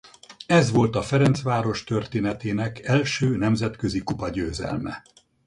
Ez volt a Ferencváros történetének első nemzetközi kupagyőzelme.